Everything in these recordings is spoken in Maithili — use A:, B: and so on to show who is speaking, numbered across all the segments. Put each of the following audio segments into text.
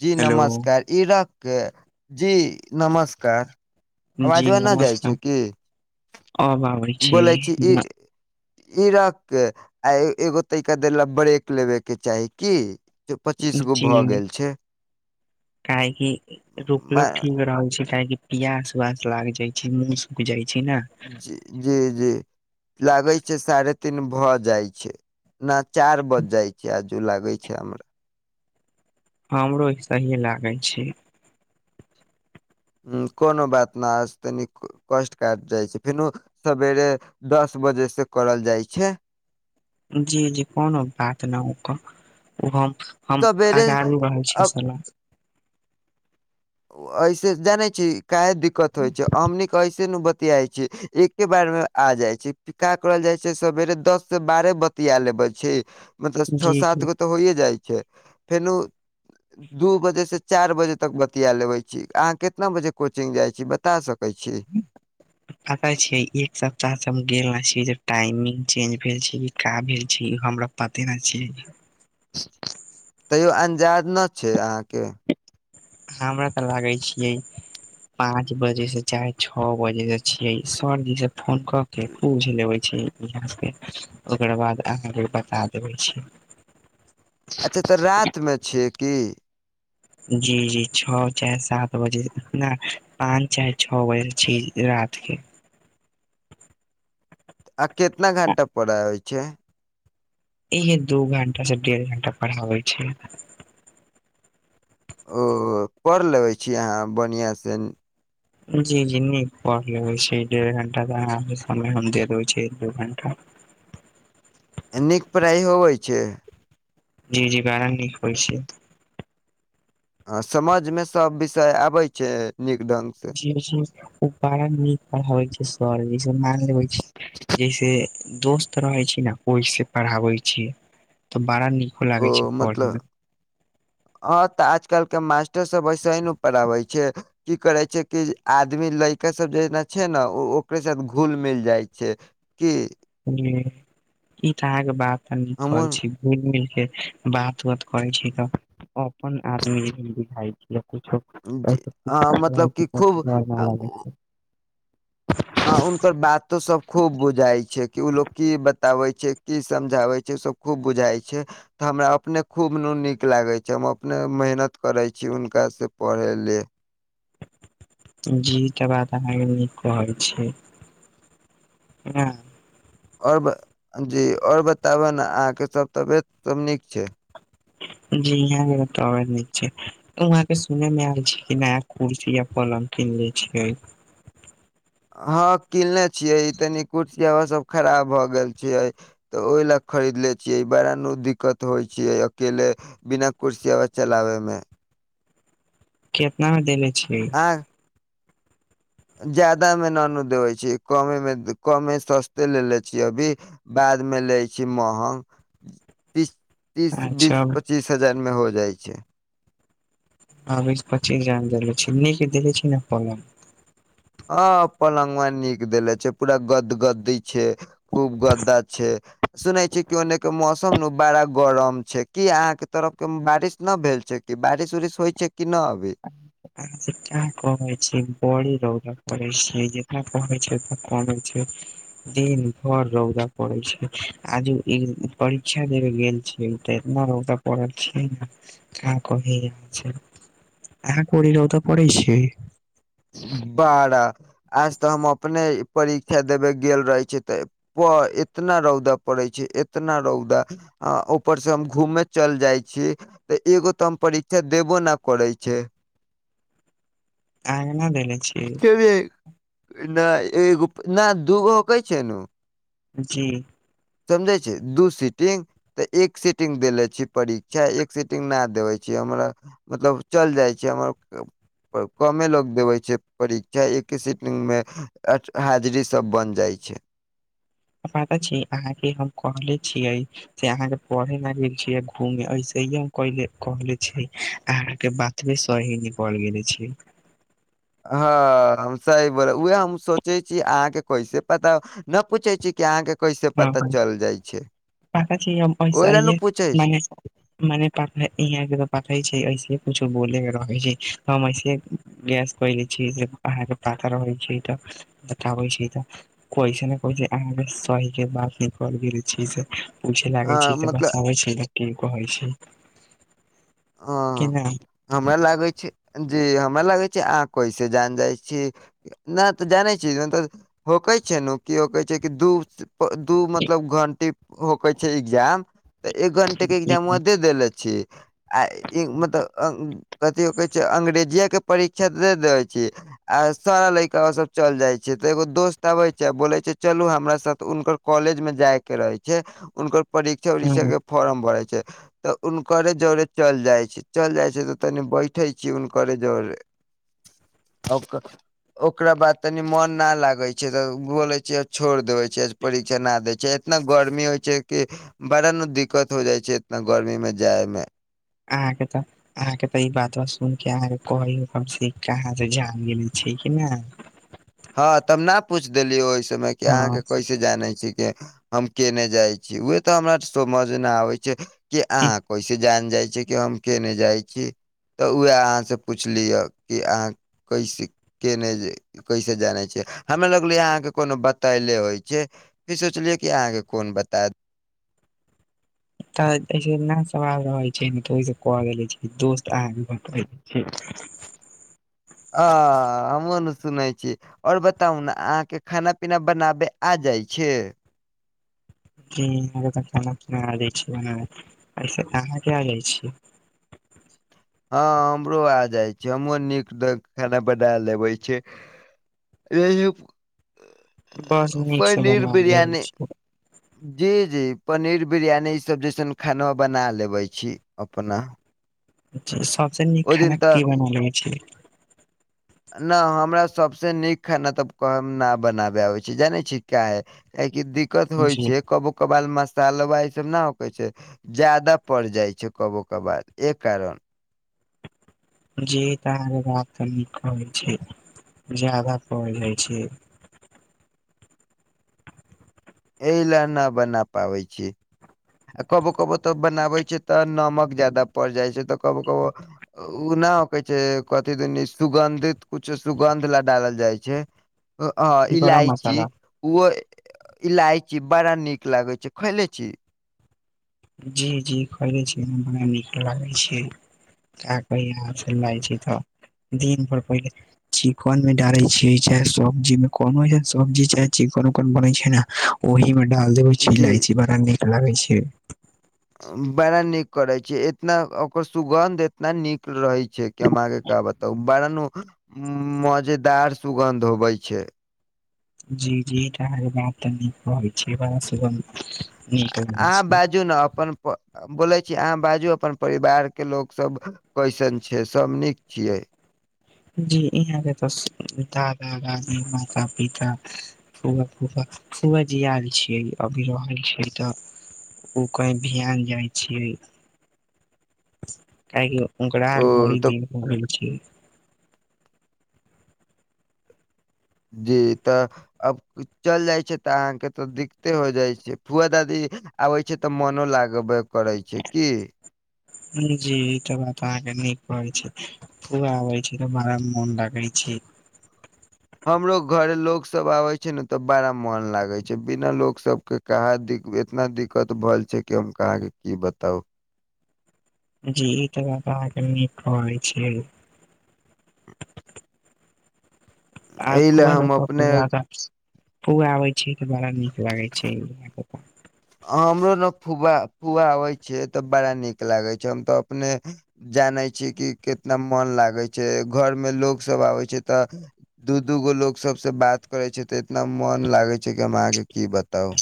A: जी
B: हेलो
A: नमस्कार ईरखके जी नमस्कार। अबाज
B: जी
A: नैय जाय
B: नमस्कार
A: छैय की
B: अब आबै
A: बोलैय छी इ
B: न,
A: ईरख के आ ए एगो तै [unintelligible] ब्रेक लेबेय के चाही की पच्चीस गो भऽ
B: जी
A: गेल छैय।
B: काहेकि रुकलो
A: मा
B: ठीक रहल छै काहेकि पियास उवास लाग जाय छैय मुँह सुख जाय छैय ने।
A: जी जी जी लागैय छैय साढ़े तीन भऽ जाय छैय। ना चार बज जाय छैय, आजू लागैय छैय हमरा।
B: हमरो ऐसहीयें लागैय छैय।
A: उम्म कोनो बात ना आज तनिक कष्ट [unintelligible] जाय छै फेनू सबेरे दस बजे से करल जाय छैय।
B: जी जी कोनो बात ना ओकर उ हम हम
A: सवेरे
B: अगाड़ी रहल
A: अ
B: छीयै सलाह।
A: ऐसे जानैय छी कैय दिक्कत होय छै हमनी क ऐसे न बत एक्के बार में आ जाय छैय। का करल जाय छै सवेरे दस से बारह बतिया लेबै छी मतलब छ
B: जी
A: सात
B: जी
A: गो तऽ होइये जाय छै फेनू दू बजे से चार बजे तक बत तिया लेबैय छी, अहाँ केितना बजे कोचिंग जाय छी बता सकैय छी?
B: [unintelligible] पता छैय एक सप्ताह सँ हम गेल ना छी, जे टाइमिंग चेंज भेल छै कि का भेल छै, हमरा पते ना छै।
A: तैयो अंजाद न छै अहाँके।
B: हमरा तऽ लागै छियै पाँच बजे सँ चाहे छ बजे सँ छियै, सर जी से फोन क केँ पूछ लेबेय छी, [unintelligible] ओकर बाद अहाँ केँ बता देबेय छी।
A: अच्छा तऽ रातिमेँ छियै की।
B: जी -जी छौ चाहे सात बजे, ना पाँच चाहे छौ बजे छी रात के।
A: आ केतना घण्टा पढ़ाबय छैय।
B: इहे दू घंटा से डेढ़ घंटा पढ़ाबै छैय।
A: ओ पढ़ लेबै छी अहाँ बढ़ियां से न
B: जी -जी नीक पढ़ लेबै छै, डेढ़ घण्टा के अहां के समय हम दे देबै छि, एक दू घण्टा।
A: नीक पढ़ाई होबै छै।
B: जी-जी बड़ा नीक होय छै एतऽ।
A: हं समझ में सब विषय आबै छै, नीक ढंग से।
B: जी -जी ओ बड़ा नीक पढ़ाबै छय सरजी, जैसे मानलेबय छै जैसे दोस्त रहै छै न। ओय से पढ़ाबै छै, तऽ बड़ा निक
A: ओ मतल
B: [inaudible]
A: हं तऽ आजकल केँ मास्टर सब ऐसहि नु पढ़ाबै छैय। की करै छै कि आदमी लड़का सब जेना छै न, उ ओकरे साथ घुल मिल जाइ छय। कि
B: बुझलिहि, ई तऽ अहांके बात त नीक कहै
A: हमहूँ
B: छी। मिल-मिल के बात-उात करै छी त अपन आदमी बुझाइ छि या किछो
A: जे अ, मतलब कि खूब
B: [unintelligible]
A: अ हुनकर बातो सब खूब बुझाइ छै, कि उ लोग की बताबै छै, की समझाबे छै, सब खूब बुझाइ छै। तऽ हमरा अपने खूब नु नीक लागै छै, हम अपने मेहनत करैत छी हुनकासँ पढ़य ले
B: जी इ तऽ बात अहाँके नीक कहै छियै ना।
A: आओर ब जी आओर बताबऽ ने अहाँके सभ तबियत सब नीक छै।
B: जी यहाँ के टॉवर नीक छै। वहाँं के सुनने मे आयल छी, कि नया कुर्सी या पलंग किनले छियै।
A: हँ किनले छियै, ई तनी कुर्सियबा सब खराब भऽ गेल छयै तऽ ओहि लए खरीद ले छियै, बार नु दिक्कत होइ छियै अकेले बिना कुर्सीवा चलाबऽ मे
B: केतना मे देले छियै।
A: आ ज्यादा मे न नू देबय छियै, कमे मे कमे सस्ते लेेले छीयै अभी। बादमे लै छी महग तीस तीस, बीस,
B: अच्छा
A: पचीस हजार मे हो जाइ छै।
B: आबै स पच्चीस हजार में देखले छि, नीक देलहे छि न पलंग।
A: ह पलंगवा नीक देेले छै, पूरा गदगदी छै। खूब गद्दा छे। सुनै छियै कि ओनेके मौसम नऽ बड़ा गरम छै कि ये अहाँके तरफ क बारिश नऽ भेल छै कि बारिश -उरिश होइ छै कि नऽ अभी?
B: अहाँ का कहै छी बड़ी रौदा करै छियइ जेकरा कहै छी कहै छै। दिन भर रौदा पड़ै छै आज ई परीक्षा देबे गेल [inaudible] ने ओ त पढ़ा छै ने क क ह छै अहांक करे रौदा पड़ै छै?
A: बाड़ा आज तऽ हम अपने परीक्षा देबे गेल रहे छियै तऽ प इतना रौदा पड़ै छै एतना रौदा। आ ऊपर से हम घूमे चल जाइ छी। तऽ एगो तऽ हम परीक्षा देबो न करै छै।
B: आइ हम ना देले छी।
A: ना एगो ना दूगो कहै छियै नु।
B: जी।
A: समझै छियै दू सीटिंग। त एक सीटिंग देेले छिय परीक्षा एक सीटिंग ना देबै छिय हमरा मतलब चल जाइ छियै हमर क- कमे लोग देबै छै परीक्षा एके सीटिंग मे ज-हाजरी सब बन जाइ छै।
B: पता छी अहाँके हम कहले छियइ से अहाँ के पढ़य ले गेल छिय घूमे ऐसै ये हम कहलियै -कहले छै अहाँ के बा भिंसरही निकल गेल छियै।
A: हँ हम सही बोलय उएह हम सोचै छियै अहाँके कैसे पता नऽ पूछै छियै कि अहाँके कैसे
B: हँ
A: पता
B: ह
A: चल जाइ छै
B: पका छी हम
A: ओहि लए न पूछै छी
B: [unintelligible] मने प यहाँ के तऽ पठै छै ऐसे कुछो बोलेके रहै छै हम ऐसे गैस कय लै छी जे अहाँके पाता रहै छै तऽ। देखाबै छी त कइसे ने कइसे अहां के सही के बात न [unintelligible] करले छी से पुछे लागै
A: हँ
B: छी
A: मतलब
B: बताबे छी ने कि कहै छी।
A: आं हमरा लागै छै जी हमरा लागै छै अहाँ कइसे जान जाइ छी। नै तऽ जानै छियै तहन त होंकै छियै नु कियो कहै छै कि दू दू मतलब घंटी होकै छै एग्जाम। तऽ एक घंटी के एग्जामवा दे देेले छी। आ इ मतलब कथी कहै छै अंग्रेजिया के परीक्षा दे देेबै छीय। आ सब लैकाबा सब चल जाइ छै त एगो दोस्त अबै छै आ बोलै छै चलू हमरा साथ उनकर कॉलेज मे जाय के रहै छै उनकर परीक्षा उरीक्षा के फॉरम भरै छै तऽ उनकरे जरे चल जाइ छी चल जाइ छियै त तनी बैठै छीयै उनकरे जरे। [inaudible] ओकरा बाद तनी मोन ना लागै छै तऽ बोलै छियै छोड़ देबै छियै। परीक्षा ना दै छियै इतना गरमी होइ छै कि बड़ा ने दिक्कत हो जाइ छै इतना गरमी मे जाय मे।
B: आहां के तऽ अहाँके तऽ ई बात बा सुन के अहाँके कहै हम छी कि अहाँ से जान गेले छी कि ने।
A: हँ त हम न पूछ देलियौ ओय समय कि अहाँके
B: हँ
A: कइसे जानै छीयै की हम केने जाए छीयै उहै तऽ हमरा समझ नै आबै छै। कि अहाँ कैसे जान जाए छीयै कि हम केने जाए छीयै। तऽ उ अहाँ से पुछलिया कि अहाँ कैसे केने ज कैसे जानै छियै, हमरा लगलै अहाँके कोनो बताएले होय छै। फिर सोचलियै कि अहाँ केँ कोन बताएत
B: तऽ ऐसे न सवाल रहय छै न तऽ ओहि से कह देलै छीयै की दोस्त अहां के बतबय छै।
A: आ हम्हु नै सुनय छी। और बताउ ने अहाँके खाना-पीना बनाबै आ जाए छै।
B: जी हमरा तै खाना-पीना आ जाए छै [unintelligible] ऐसे अहां के आ जाए छै।
A: हां हमरो आ जाए छै हम्हूँ आर नीक द खाना बनाए लेबय छीयै। [unintelligible]
B: बस नीक से बना लेबै छीयै।
A: जी-जी पनीर बिरयानी इ सब जइसन खाना बना लेबै छी अपना।
B: जी सबसे नीक
A: ओ
B: खाना
A: दिन तऽ
B: की बना लेबय छीयै।
A: न हमरा सबसे नीक खाना तब कहब न बनाबे आबै छै, जानै छी काहै। कियाकि दिक्कत होय
B: जी
A: छै कबो कबाल मसाल बा ई सब न होके छै जादा पड़ जाए छै कबो कबार ए कारण
B: जी त अहां के बात त नीक कहै छै जादा कहा जाए छै।
A: एहि ल न बना पाबै छीयै। ए कबो-कबो तऽ बनाबै छीयै तऽ नमक जादा पड़ जाए छै तऽ कबो-कबो उ ना होखे छै कथी दीन नी सुगन्धित कुछो सुगन्ध ल डालल जाए छै। अ-अ
B: गरम
A: इलायची
B: मसाला
A: उहो इलायची बड़ा नीक लागे छै खयले छीयै।
B: जी-जी खएले छी, बड़ा नीक लागे छै [unintelligible] [unintelligible] दिन भर पहिले चिकन मे डाले छीयै चाहे सब्जी मे कोनो ऐहेन सब्जी चाहे चिकन-उकन बनै छै नै ओहि में डाल देबय छीयै
A: जी
B: इलायची बड़ा नीक लागे छै।
A: बड़ा नीक करय छीयै इतना ओकर सुगन्ध एतना नीक रहे छै की हम आहां के का बत तऽ बड़ा न उ मजेदार सुगन्ध होबय छै।
B: जी-जी अहां के बात त नीक कहय छीयै बड़ा सुगंध
A: अ
B: नीक लागै
A: अहां
B: छै
A: बाजू ने अपन प अ बोलय छी अहाँ बाजू अपन परिवार के लोक सब कैसन छै, सब नीक छियै।
B: जी ईहाँ के तऽ दादा-दादी माता-पिता फुआ-फुफा फुआ जी आएल छियै, अभी रहय छै तऽ ओ कही भहान जाए छियै काहेकि ओकरा
A: ओ
B: आर बड़ी
A: तऽ
B: दिन पर ऐल छै।
A: जी तऽ अब उ चल जाय छै तऽ अहाँके तऽ दिक्कते हो जाय छै, फुआ दादी आबे छै तऽ मनो लागबे करय छै की
B: जी ई त बात अहाँके नीक कहय छी। फूआ आबै छै तऽ मरा मोन लगय छै।
A: हमरो घरे लोक सब आबय छै नै तऽ बड़ा मोन लागे छै बिना लोक सबके कहाँ दिक एतना दिक्कत भ छै कि हम अहाँ के की बताउ।
B: जी ई तऽ बात अहाँके नीक कहै छीये। आब
A: एहि
B: [unintelligible]
A: ले
B: फुआ
A: हम अपने
B: आबै छी तऽ बड़ा नीक लागे छै।
A: हमरो ने फुआ फूआ आबै छियै तऽ बड़ा नीक लागे छै हम तऽ अपने जानै छियै कि कितना मन लागै छै घरमे लोकोग सब आबै छै तऽ दू दू गो लोग सब से बात करे छै तऽ इतना मन लागे छै कि हम अहाँके की बताउ।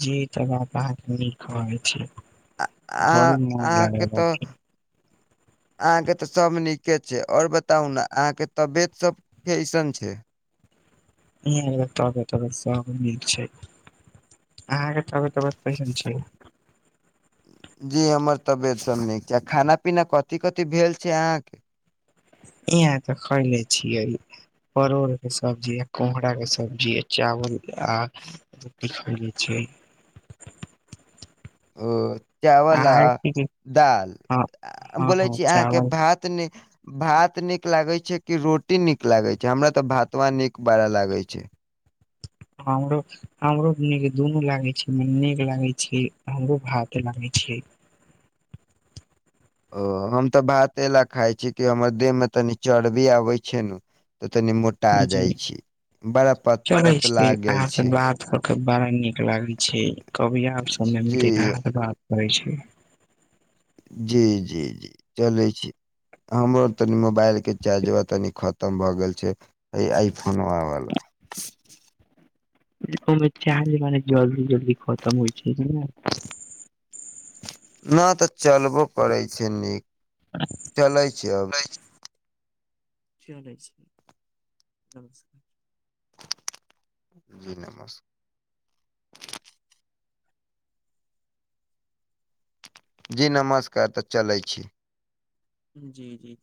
B: जी इ त बात अहाँ नीक कहै छीये
A: आ अहाँ
B: बड़ी मन लागे [unintelligible] [inaudible]
A: अहाँ के ते सब नीके छै और बताउ ने अहाँ के तबियत सब कैसन छै?
B: इ तबियत तबीयत सब निक छै। अहाँके तबियत तबीयत कैसन छै?
A: जी हमर तबियत सब नीक छै। खाना पीना कथि कथि भेल छै अहाँ के?
B: इहाँ तऽ खैले छियै परोड़ के सब्जी आ कुमहरा के सब्जी आ चावल आ रोटी खैले छिये।
A: ओ चावल आ
B: अहाँके की की
A: दाल
B: हँ हँ
A: बोलै
B: हँ
A: छी अहाँके
B: चावल
A: भात तने भात निक लागे छै कि रोटी नीक लागे छै हमरा त भातवा नीक बड़ा लागे छै।
B: [unintelligible] हमरो के निक दुनू लागे छै नीक लागे छै हमरो भाते लागे छीये।
A: ओ हम तऽ भाते अइ ला खाइ छी कि हमर देह मे तनी चर्बी आबै छै ने तऽ तनी मोटा
B: जी
A: जाइ छी बड़ा प
B: चलै छी अहाँ से बात क के बड़ा नीक लागैय छै कभी आर समय
A: जी
B: मिलते त अहाँ से बात होय छै।
A: जी जी जी चलै छी हमरो तनी मोबाइल के चार्जरबा तनी खतम भए गेल छै। अइ आइ फोनवा वला।
B: ई फोन मे चार्ज मने जल्दी जल्दी खतम होइ छै ने।
A: ना तऽ चलबो करैत छै नीक चलैय छै अभी।
B: चलय छी नमस्कार।
A: जी नमस्कार। जी नमस्कार तऽ चलैत छी।
B: जी जी।